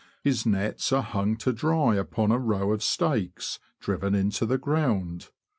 His nets are hung to dry upon a row of stakes driven into the ground.